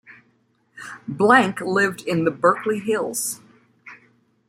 Blank lived in the Berkeley Hills.